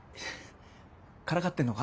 からかってんのか？